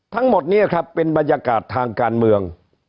ทั้งหมดนี้ครับเป็นบรรยากาศทางการเมือง